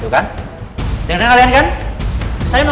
kami tidak menemukan bukti